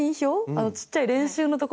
あのちっちゃい練習のところ。